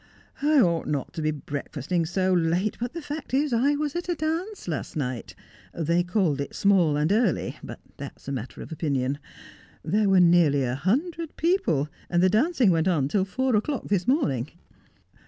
I ought not to be breakfasting so late, but the fact is, I was at a dance last night. They called it '• small and early," but that's a matter of opinion. There were nearly a hundred people, and the dancing went on till four o clock this morning.'